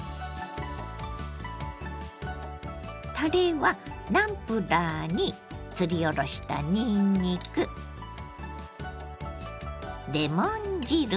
たれはナムプラーにすりおろしたにんにくレモン汁